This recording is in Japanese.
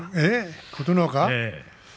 琴ノ若？